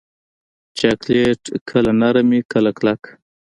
چاکلېټ کله نرم وي، کله کلک.